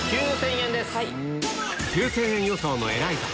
９０００円です。